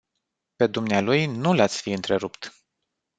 Pe dumnealui nu l-ați fi întrerupt.